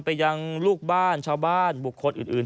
ไปยังลูกบ้านชาวบ้านบุคคลอื่น